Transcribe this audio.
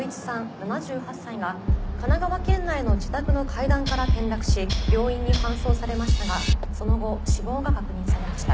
７８歳が神奈川県内の自宅の階段から転落し病院に搬送されましたがその後死亡が確認されました。